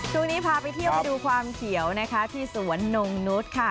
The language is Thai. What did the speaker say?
ช่วงนี้พาไปเที่ยวดูความเขียวที่สวนหนุ่มนุษย์